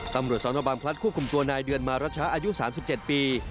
ตำรวจสนบางพลัดควบคุมตัวนายเดือนมารัชชาอายุ๓๗ปี